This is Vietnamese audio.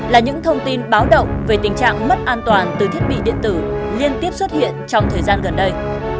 là những thông tin báo động về tình trạng mất an toàn từ thiết bị điện tử liên tiếp xuất hiện trong thời gian gần đây